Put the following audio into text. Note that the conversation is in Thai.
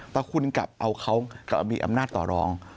พอคุณกลับเอาเขากลับมีอำนาจต่อรอง